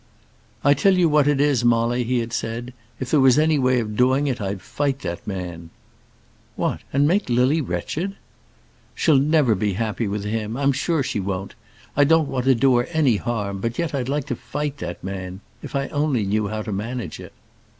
"I tell you what it is, Molly," he had said, "if there was any way of doing it, I'd fight that man." "What; and make Lily wretched?" "She'll never be happy with him. I'm sure she won't. I don't want to do her any harm, but yet I'd like to fight that man, if I only knew how to manage it."